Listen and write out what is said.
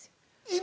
今？